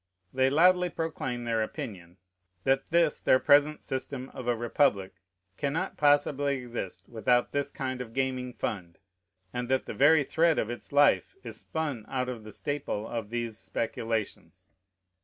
They loudly proclaim their opinion, that this their present system of a republic cannot possibly exist without this kind of gaming fund, and that the very thread of its life is spun out of the staple of these speculations.